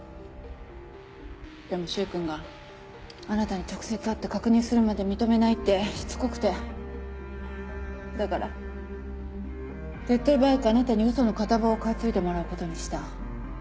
でも柊君があなたに直接会って確認するまで認めないってしつこくてだから手っ取り早くあなたにウソの片棒を担いでもらうことにした